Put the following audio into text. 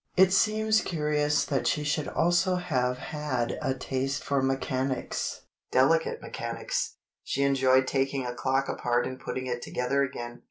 It seems curious that she should also have had a taste for mechanics. Delicate mechanics. She enjoyed taking a clock apart and putting it together again.